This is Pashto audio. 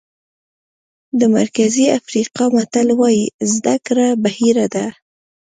د مرکزي افریقا متل وایي زده کړه بحیره ده.